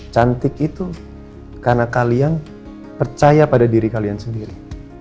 cantik itu karena kalian percaya pada diri kalian sendiri